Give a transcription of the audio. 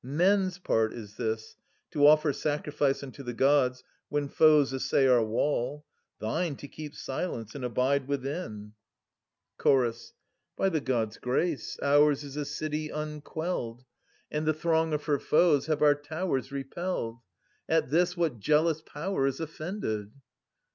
Men's part is this, to offer sacrifice 230 Unto the Gods, when foes essay our wall ; Thine, to keep silence, and abide within. 14 JESCHYLUS. Chorus. {^Str. 3.) By the Gods* grace, ours is a city imquelledi And the throng of her foes have our towers repelled. At this what jealous Power is offended